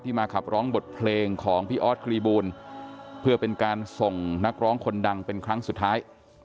มาขับร้องบทเพลงของพี่ออสกรีบูลเพื่อเป็นการส่งนักร้องคนดังเป็นครั้งสุดท้าย